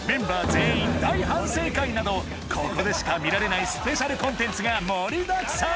またなどここでしか見られないスペシャルコンテンツが盛りだくさん